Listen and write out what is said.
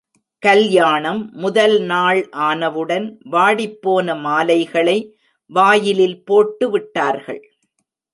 கல்யாணம் முதல் நாள் ஆனவுடன், வாடிப்போன மாலைகளை வாயிலில் போட்டு விட்டார்கள்.